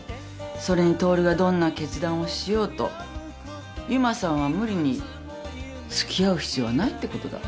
それにトオルがどんな決断をしようと由真さんは無理に付き合う必要はないってことだ